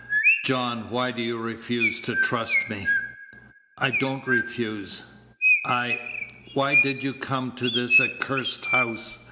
"John, why do you refuse to trust me?" "I don't refuse. I why did you come to this accursed house?"